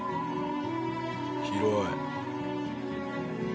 広い。